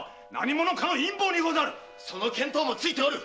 その見当もついておる。